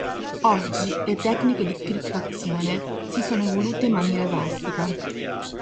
Oggi le tecniche di criptazione si sono evolute in maniera drastica.